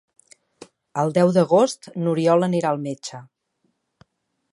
El deu d'agost n'Oriol anirà al metge.